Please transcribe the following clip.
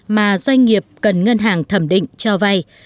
mà doanh nghiệp cần ngân hàng thẩm định cho vay